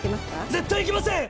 絶対行きません！